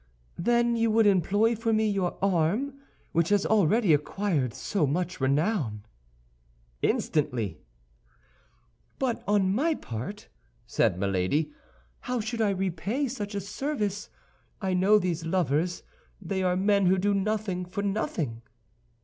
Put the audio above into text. "Then you would employ for me your arm which has already acquired so much renown?" "Instantly!" "But on my part," said Milady, "how should I repay such a service? I know these lovers. They are men who do nothing for nothing."